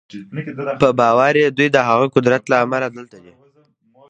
په باور یې دوی د هغه قدرت له امله دلته دي